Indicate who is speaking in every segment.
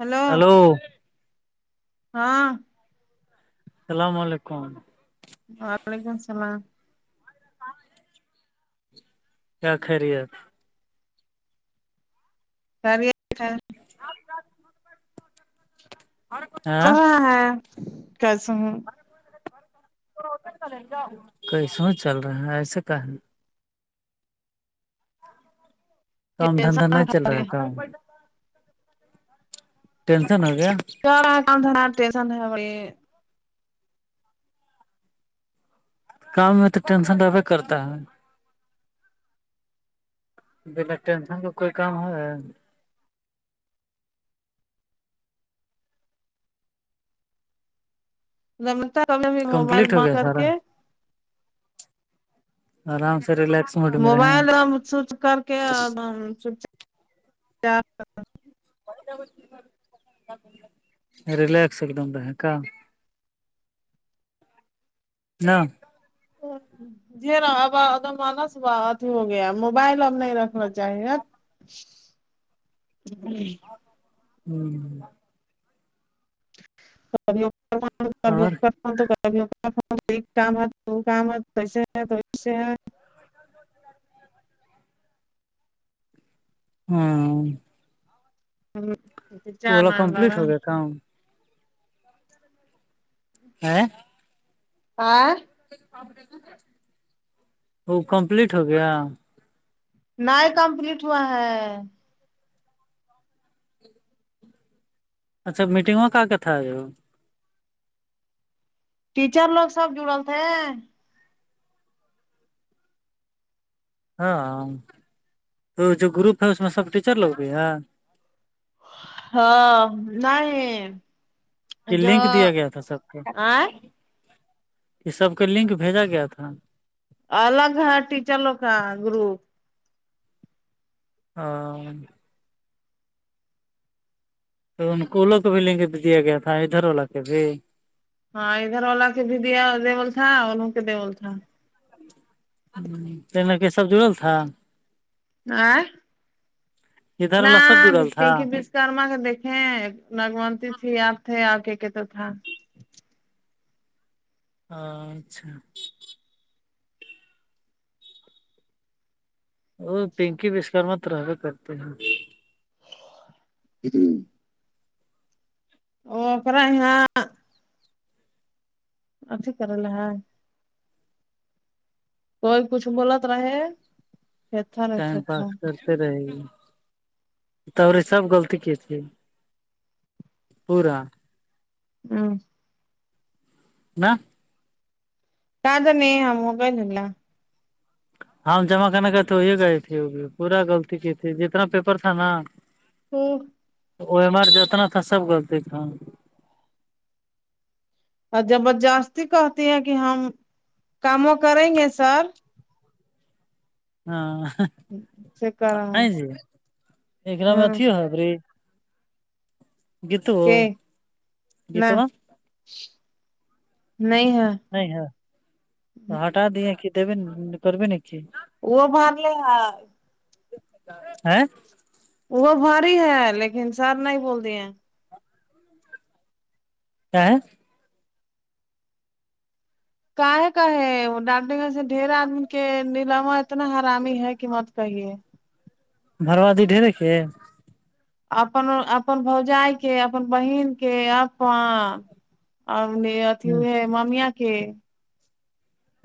Speaker 1: hello
Speaker 2: hello
Speaker 1: ہاں
Speaker 2: السلام علیکم
Speaker 1: وعلیکم السلام
Speaker 2: کیا خیریت
Speaker 1: سر
Speaker 2: [inaudible] ہاں
Speaker 1: چل رہاں ہے کیس ہوں
Speaker 2: کیسو چل رہا ہیں ایسے کہ کام دھندا
Speaker 1: ٹینشن
Speaker 2: نہیں چل رہا
Speaker 1: خالی
Speaker 2: ہے کام ٹینشن ہو گیا
Speaker 1: ن
Speaker 2: کام میں تو ٹینشن ڈبہ کرتا ہے بنا ٹینشن کا کوئی کام ہے
Speaker 1: رمتا بھی موبائل
Speaker 2: کمپلیٹ ہو
Speaker 1: بند
Speaker 2: گیا
Speaker 1: کر
Speaker 2: سارا
Speaker 1: کے
Speaker 2: آرام سے ریلیکس موڈ میں
Speaker 1: موبائل
Speaker 2: رہے
Speaker 1: سوچ کر کےچ
Speaker 2: رلیکس ایک دم رہے کام نہ
Speaker 1: ا ج اب مانس اھی ہو گیا موبائل اب نہیں رکھنا چاہیے جی
Speaker 2: ہوں اور
Speaker 1: ف تو کر کام تو کام
Speaker 2: ہاں
Speaker 1: ہے چار
Speaker 2: اولا
Speaker 1: مان
Speaker 2: کمپلیٹ
Speaker 1: لگا
Speaker 2: ہو گیا کام [unintelligible]
Speaker 1: ہاں
Speaker 2: وہ کمپلیٹ ہو گیا
Speaker 1: ن کمپلیٹ ہوا ہے
Speaker 2: اچھا میٹنگوں کا کیا تھا ہے ہو
Speaker 1: ٹیچر لوگ سب جڑل تھے
Speaker 2: ہاں تو جو گروپ ہے اس میں سب ٹیچر لوگ گئی ہے
Speaker 1: ہاں نہیں
Speaker 2: کہ
Speaker 1: جو
Speaker 2: لنک دیا گیا تھا سب کو
Speaker 1: آئ
Speaker 2: یہ سب کو لنک بھیجا گیا تھا
Speaker 1: الگ ہے ٹیچر لو کا گروپ
Speaker 2: ہاں تو ان کوولوں کو بھی لین کے دیا گیا تھا ادھر واللا کے بھی
Speaker 1: ہاں ادھر واللا کے بھی دیا دیول تھا اوروں کے دیول تھا
Speaker 2: ہ لک سب جڑل تھا
Speaker 1: ہاں
Speaker 2: ادھر
Speaker 1: نہ
Speaker 2: والا سب جڑل
Speaker 1: بتی
Speaker 2: تھا
Speaker 1: کی بی کررما کے دیکھیں نگمتی تھی آپ تھے اور کہ کہ تو تھا
Speaker 2: اچھا وہ پنکی بشکار م تو رہو کرتے ہیں
Speaker 1: ہوں او اکر گ آچ کرارلہ ہ کوئی کچھ بولت رہے تھے تھا رہے
Speaker 2: ٹائم
Speaker 1: تھے تھا
Speaker 2: پاس کرتے رہی گ ت رے سب غلطی کی تھی پورا
Speaker 1: ہاں
Speaker 2: نہ
Speaker 1: تد نے ہم ہوگللہ
Speaker 2: ہاں جمع کرنے گئے تھے وہی گئے تھی وہگی پورا غلطی کی تھی جتنا پیپر تھا نا
Speaker 1: ہھر
Speaker 2: او ایم آر جتنا تھا سب غلطی تھا
Speaker 1: اور جبر جاستی کہتی ہیں کہ ہم کاموں کریں گے سر سے کر ہوں
Speaker 2: ہاں جی ایکر میں اھی ہوت ری
Speaker 1: کہ نہ
Speaker 2: گیتوا
Speaker 1: نہیں ہاں
Speaker 2: نہیں ہاں تو ہٹ دے کہ دی کرے ن کہ
Speaker 1: وہ بات نہیں ہے
Speaker 2: [unintelligible]
Speaker 1: وہ بھاری ہے لیکن سر نہیں بول د ہیں
Speaker 2: کیا
Speaker 1: کایں کایں ڈان گ سے ڈھیر آدمی کے نیلالما اتنا حرامی ہے کہ مل صحیح ہے
Speaker 2: بھرواد ڈر کے
Speaker 1: اپن اپ بوجائی کے اپ بہن کے اپ ا نے اتیھی
Speaker 2: ہ
Speaker 1: ہے ممیا کے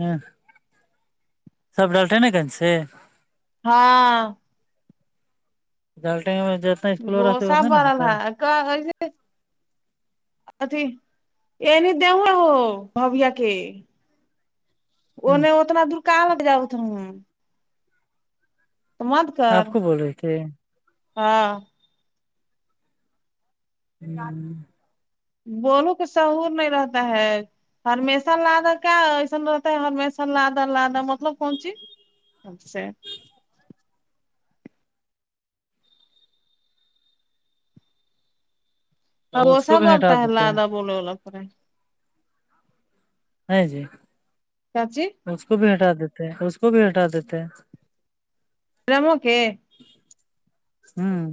Speaker 2: ہوں سب ڈرٹے ہے نا گن سے
Speaker 1: ہاں
Speaker 2: ڈالٹیں میں اسکول
Speaker 1: وہ
Speaker 2: رہتے
Speaker 1: سا
Speaker 2: اتنا نا ہوتا
Speaker 1: بارا کاے نہیں آ ہو بویا کے
Speaker 2: ہ
Speaker 1: انہ اتنا دور کہاں لگ جاؤ اتنا تو مد کر
Speaker 2: آپ کو بول رہے تھے
Speaker 1: ہاں
Speaker 2: نہ
Speaker 1: بولو کہ شہور نہیں رہتا ہے ہرمیشہ لادہ کیا ایسا رہتا ہے ہرمیشہ لادہ لادا مطلب کونچی سے اب
Speaker 2: تو اس
Speaker 1: وہسا
Speaker 2: کو بھی
Speaker 1: بنتا
Speaker 2: ہٹا
Speaker 1: ہے
Speaker 2: دیتے ہیں
Speaker 1: لادا بولے والا پے
Speaker 2: ہیںاں جی
Speaker 1: چچی
Speaker 2: اس کو بھیٹا دیتے اس کو بھیٹا دیتے
Speaker 1: الموکے
Speaker 2: ہوں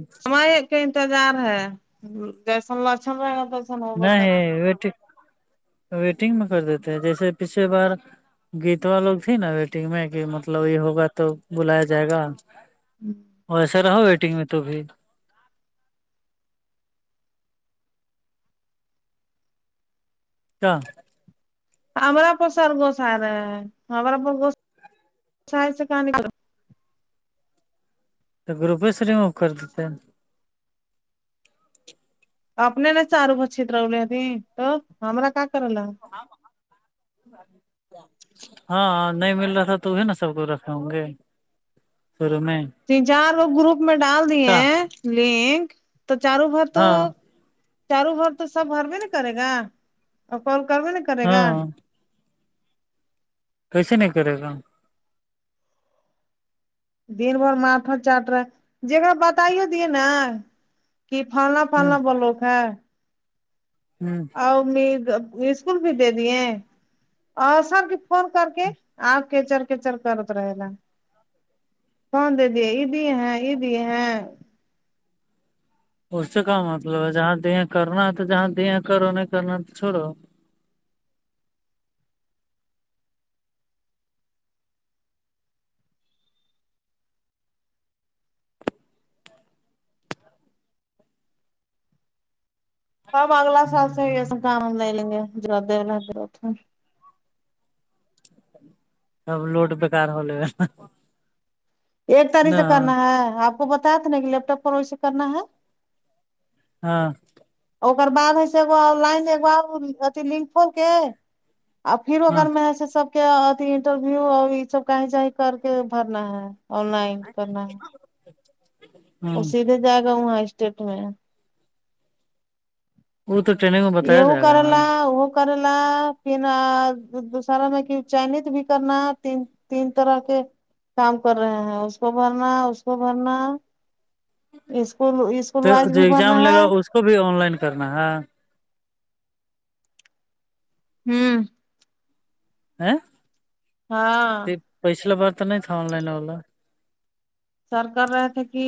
Speaker 1: کا انتظار ہے جیسن لوچن رہے گا تو
Speaker 2: نہیں ویٹگ ویٹنگ میں کر دیتے ہیں جیسے پچھلیے بار گیت والا لوگ تھی نا ویٹنگ میں کہ مطلب یہ ہوگا تو بلایا جائے گا ویسا رہو ویٹنگ میں تو بھی تو
Speaker 1: ہمرا پر سر گوس آ رہا ہے ہمرا پر گوش گس سے کہ
Speaker 2: تو گروپے سے ریمو کر دیتے ہیں
Speaker 1: اپنے نے چارو بچ چترولی تو ہما کا کر
Speaker 2: آ ہاں نہیں مل رہا تھا تو بھی نا سب کو رکھے ہوں گے سھر میںیں
Speaker 1: تین چار لوگ گروپ میں ڈال دیے لنک تو چاروں بات تو
Speaker 2: ہاں
Speaker 1: چاروں بھر تو سب ہر میں ن کرے گا اور کال کر میں کرے گا
Speaker 2: ہاں کیسے نہیں کرے گا
Speaker 1: دن بھر ماتھا چاٹ رہا جک بتائی دیے نا کی فلنا
Speaker 2: ہوں
Speaker 1: فلا بولوک
Speaker 2: ہوں
Speaker 1: اسکول بھی دے دیے اور سر کی فون کر کے آپ کیچر کیچر کرت رہے لا کو
Speaker 2: اس سے کا مطلب ہے جہاں دیا کرنا تو جہاں دیا کرو نہیں کرنا تو چھوڑو
Speaker 1: سب اگلا سال سے ایسے کام ہم لے لیں گے جر دے درت
Speaker 2: اب لوٹ بیکار ہو لے گا
Speaker 1: ایک تاریخ
Speaker 2: نہ
Speaker 1: سے کرنا ہے آپ کو بتایا تھا نا کہ لیپٹاپ پر ویے کرنا ہے
Speaker 2: ہاں
Speaker 1: ار بع ہےس لائن ا لنک پھول کے اور پھر
Speaker 2: ہاں
Speaker 1: اگر میں سے سب کے ا انٹرویو اور یہ سب کہیں جیں کر کے بھرنا ہے آن لائن کرنا ہے
Speaker 2: ہاں
Speaker 1: وہ سیدھے جا گا ہاں اسٹیٹ میں
Speaker 2: وہ تو میں
Speaker 1: یہ
Speaker 2: بتایا جائے گا
Speaker 1: کرلا
Speaker 2: میم
Speaker 1: وہ کر ل پھر دوسارا میں چائنیز بھی کرنا تین تین طرح کے کام کر رہے ہیں اس کو بھرنا اس کو بھرنا اسکول اسکول
Speaker 2: تو
Speaker 1: وائز
Speaker 2: جو
Speaker 1: بھی بھرنا
Speaker 2: ایگزام
Speaker 1: ہے
Speaker 2: لگا اس کو بھی آن لائن کرنا ہے
Speaker 1: ہوں
Speaker 2: ہ [unintelligible]
Speaker 1: ہاں
Speaker 2: پیسلا بار تو نہیں تھا آن لائن اوا
Speaker 1: سرکار ر تھ کی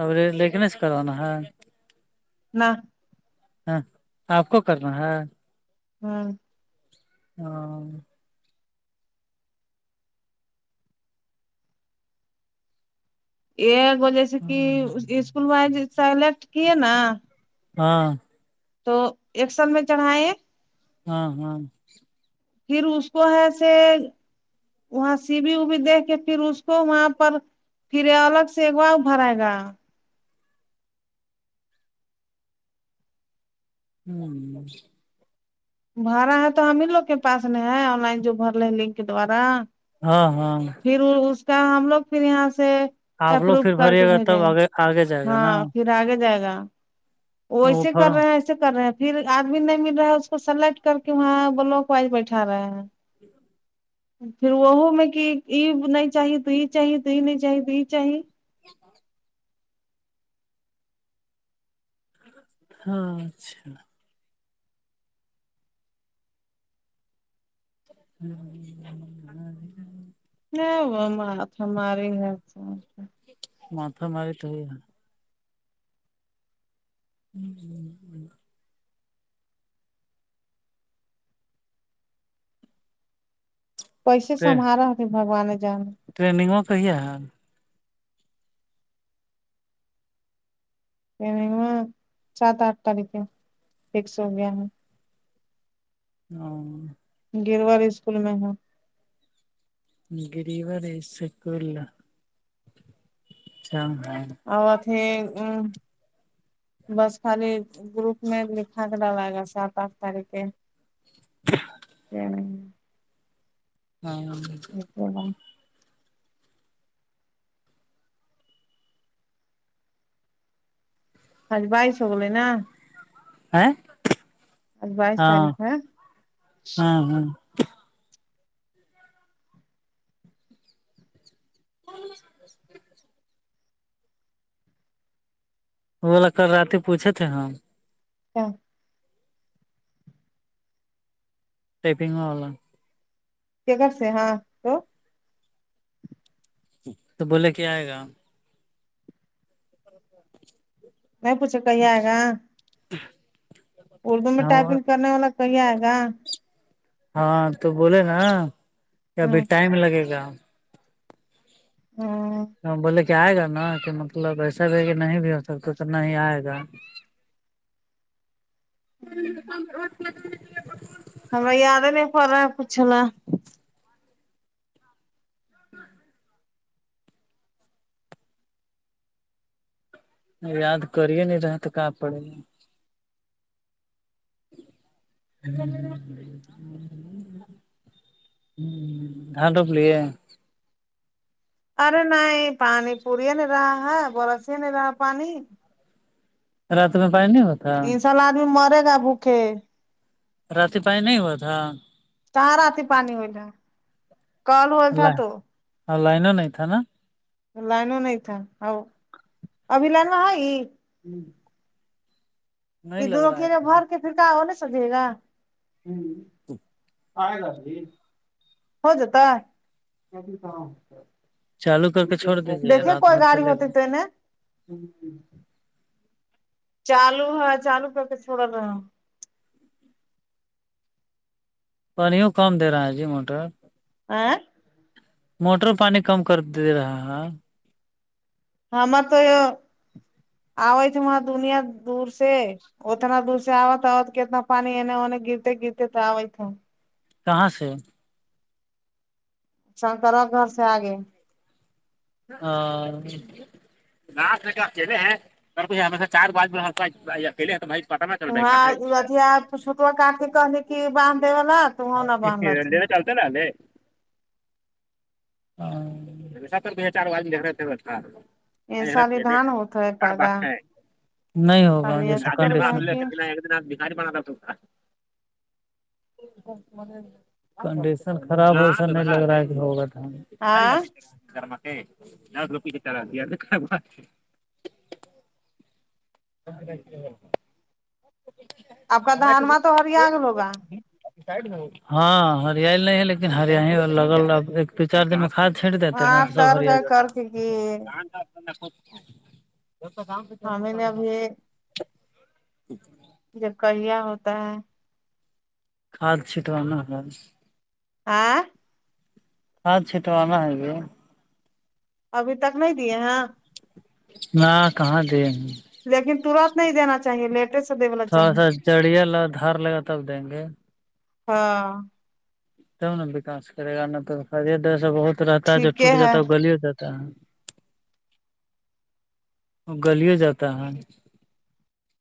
Speaker 2: اب لیکن سے کرانا ہے
Speaker 1: نہ
Speaker 2: ہاں آپ کو کرنا ہے
Speaker 1: ہاں
Speaker 2: ہاں
Speaker 1: یہگو جیسے کہ اسکول میں سلیکٹ کیے نا
Speaker 2: ہاں
Speaker 1: تو ایکسر میں چڑھائےیں
Speaker 2: ہاں ہاں
Speaker 1: پھر اس کو ہے سے وہاں سی بی ابی دے کے پھر اس کو وہاں پر پھر الگ سے ایک بار بھرائے گا
Speaker 2: ہوں
Speaker 1: بھر رہا ہے تو ہم ہی لوگ کے پاس نہیں ہے آن لائن جو بھر لے لنک کے دوارا
Speaker 2: ہاں ہاں
Speaker 1: پھر اس کا ہم لوگ پھر یہاں سے
Speaker 2: آپ لوگ
Speaker 1: اپروو
Speaker 2: پھر
Speaker 1: کر
Speaker 2: بھریے
Speaker 1: کے
Speaker 2: گا
Speaker 1: بھیجیں
Speaker 2: تب
Speaker 1: گے
Speaker 2: آگے آگے جائے گا نا
Speaker 1: ہاں پھر آگے جائے گا وہ ایسے کر رہے ہیں سے کر رہے ہیں پھر آدمی نہیں مل رہا ہے اس کو سلیکٹ کر کے وہاں بلاک وائز بیٹھا رہے ہیں پھر وہہ میں کہ یہ نہیں چاہی دوئی چاہی دوئی نہیں چاہی دو چاہی
Speaker 2: ہ [unintelligible] ہاں اچھا ہانا [inaudible]
Speaker 1: نہیں وہ ہماری ہے سمج
Speaker 2: ماتا ماری تو ہو ہ [unintelligible]
Speaker 1: پیسے سمھارتے بگوان جان
Speaker 2: ٹرینگوں کریے ہیں
Speaker 1: ا سات آٹھ تاریخ ایک سو بیارے
Speaker 2: ہاں
Speaker 1: گروار اسکول میں ہے
Speaker 2: گریب ر سکول اچ ہاں ہاں
Speaker 1: اور ا تھھی ا بس خالی گروپ میں لکھا کر ڈ ل گا سات آٹھ تاریخ کے ا نہیں
Speaker 2: ہاں ہاں
Speaker 1: ج ہج بائیس ہوگولے نا
Speaker 2: ہے
Speaker 1: ا بائیس تاریخ ہے
Speaker 2: ہاں ہاں ہ وہ والا کرل رات پوچے تھے ہم
Speaker 1: ہاں
Speaker 2: ٹپنگ آن
Speaker 1: کر سے ہاں تو
Speaker 2: تو بولے کیا آئے گا اچا
Speaker 1: میں پوچھا کہی ہے گا
Speaker 2: ہ
Speaker 1: اردو میں ٹائپنگ کرنے والا کہی آئے گا
Speaker 2: ہاں تو بولے نا کہ ابھی
Speaker 1: ہوں
Speaker 2: ٹائم لگے گا
Speaker 1: ہاں
Speaker 2: بولے کہ آئے گا نا کہ مطلب ایسا بھی ہے کہ نہیں بھی ہو سکتا اتنا ہی آئے گا
Speaker 1: [inaudible]
Speaker 2: ر
Speaker 1: ہمیں یاد ہی نہیں پ رہا ہے پوچھنا
Speaker 2: ہاں یاد کرے نہیں رہتے ک پڑے ہم ہ ہاں روب لیے
Speaker 1: ارے نہیںائ پانی پوریے نہیں رہا ہے برسی نہیں رہا پانی
Speaker 2: رات میں پ نہیں ب
Speaker 1: تین سال آدمی مرے گا بھوکے
Speaker 2: رات پائی نہیں ہوا تھا
Speaker 1: کہ رہ آ ت پانی ولا کل ہوول تھا تو
Speaker 2: ہاں لائن نہیں تھا نا
Speaker 1: لائن نہیں تھا ہ ابھی ل ہے ہی
Speaker 2: نہیں
Speaker 1: کہ
Speaker 2: لگ
Speaker 1: دونوں
Speaker 2: رہا
Speaker 1: کیلے
Speaker 2: ہے
Speaker 1: بھر کے پکا ہو ن سجے گا ہ آ گ ہو جتا
Speaker 2: چالو کر کے چھوڑ دیجیے
Speaker 1: دیکھیے
Speaker 2: رات
Speaker 1: کوئی
Speaker 2: بھر
Speaker 1: گاڑی
Speaker 2: چلے
Speaker 1: ہوتی
Speaker 2: گا
Speaker 1: تو چالو ہاں چالو کرتے تھوڑا نا
Speaker 2: پانیوں کم دے رہا ہے جی موٹر
Speaker 1: آ
Speaker 2: موٹر پانی کم کر دے رہا ہے
Speaker 1: ہما تو یہ آئے تھ وہاں دنیا دور سے اتنا دور سے آتا ہوت کتنا پانی انے ہونے گرتے گرتے تو آئی تھا
Speaker 2: کہاں سے
Speaker 1: شنکر اور گھر سے آگے
Speaker 2: ہ ناچ لے کے اکیلے ہیں اورچ ہشہ چار بعد میں اکیے ہیں تو بھائی
Speaker 1: وہاں ا آ چھٹوا کاٹ کہ کہ باند دے وا تو نہ باندلت
Speaker 2: ے ہاں دو چار بار رہا تھ تھا ہے ہوا بہاری با سا کنڈیشن خراب ہوسا نہیں لگ رہا ہے کہ ہوگا تھا خاری گھر کہ لس روپی چ خرابات اچاچ
Speaker 1: آپ کا دانوا تو ہریاان ہوگا
Speaker 2: ہاں ہریال نہیں ہے لیکن ہریا ہی لگ دو چار دن میں کھاد چھینٹ دیتے نا سب ہریا ج سم چک پانی ج [unintelligible]
Speaker 1: جب کہہیا ہوتا ہے
Speaker 2: کاد چھیٹونا ہےال
Speaker 1: آ [unintelligible]
Speaker 2: ہاں چھی تو آنا ہے بھی
Speaker 1: ابھی تک نہیں دیے ہیں
Speaker 2: نہ کہاں دے
Speaker 1: لیکن ترت نہیں دینا چاہیے میٹ س وال [unintelligible]
Speaker 2: تھوڑا سا جڑیا لگا دھار لگا تب دیں گے
Speaker 1: ہاں
Speaker 2: تب نا وکس کرے گا نہ تو خریت ایسا بہت رہتا ہے جو ٹوٹ جا ہے گلی ہو جاتا وہ گلیوں جاتا ہے